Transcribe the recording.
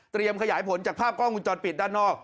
เตรียมขยายผลจากภาพกล้องอุจจอดปิดด้านนอก